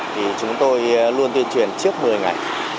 thì chúng tôi luôn tuyên truyền trước một mươi ngày